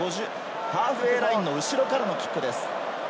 ハーフウェイラインの後ろからのキックです。